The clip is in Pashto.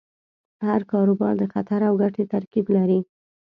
هر کاروبار د خطر او ګټې ترکیب لري.